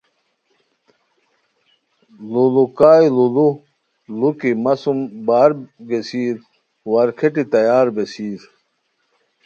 ڑوڑو کائے ڑوڑو ، ڑو کی مہ سوم یار گیسیر وارکھیٹی تیار بیسیر